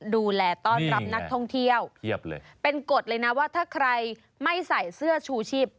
ดูแลต้อนรับนักท่องเที่ยวเพียบเลยเป็นกฎเลยนะว่าถ้าใครไม่ใส่เสื้อชูชีพ